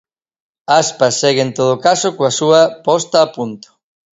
Aspas segue en todo caso coa súa posta a punto.